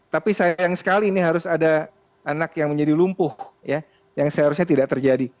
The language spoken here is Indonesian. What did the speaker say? tapi sayang sekali ini harus ada anak yang menjadi lumpuh yang seharusnya tidak terjadi